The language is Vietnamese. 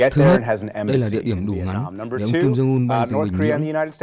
thứ nhất đây là địa điểm đủ ngắn nếu ông kim jong un đang từ huyện nguyễn